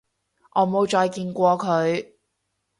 我冇再見過佢